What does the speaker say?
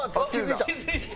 気付いた。